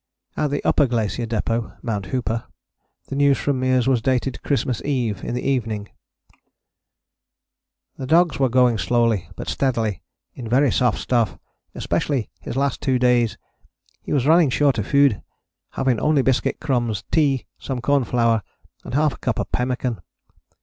" At the Upper Glacier Depôt [Mount Hooper] the news from Meares was dated Christmas Eve, in the evening: "The dogs were going slowly but steadily in very soft stuff, especially his last two days. He was running short of food, having only biscuit crumbs, tea, some cornflour, and half a cup of pemmican.